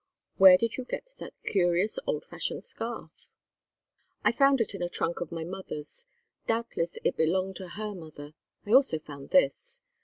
Where did you get that curious old fashioned scarf?" "I found it in a trunk of my mother's. Doubtless it belonged to her mother. I also found this."